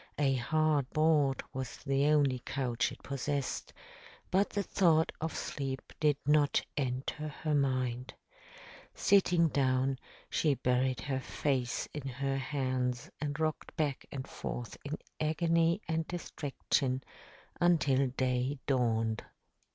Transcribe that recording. A hard board was the only couch it possessed, but the thought of sleep did not enter her mind. Sitting down, she buried her face in her hands and rocked back and forth in agony and distraction until day dawned.